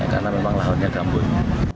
karena memang lahutnya gambut